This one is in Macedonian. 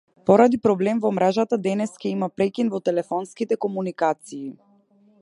Поради проблем во мрежата, денес ќе има прекин во телефонските комуникации.